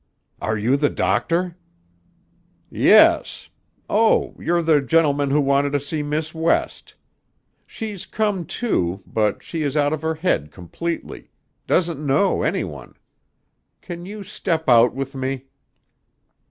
"Are you the doctor?" "Yes. Oh, you're the gentleman who wanted to see Miss West. She's come to, but she is out of her head completely ... doesn't know any one. Can you step out with me?"